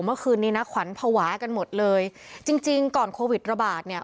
เมื่อคืนนี้นะขวัญภาวะกันหมดเลยจริงจริงก่อนโควิดระบาดเนี่ย